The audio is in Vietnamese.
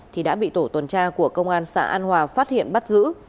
thì đã bị tổ tuần tra của công an xã an hòa phát hiện bắt giữ